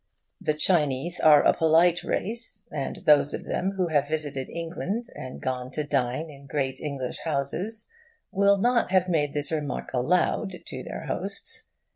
The Chinese are a polite race, and those of them who have visited England, and gone to dine in great English houses, will not have made this remark aloud to their hosts.